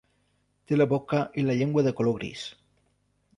Té la boca i la llengua de color gris.